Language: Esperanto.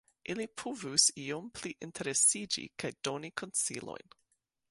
Ili povus iom pli interesiĝi kaj doni konsilojn.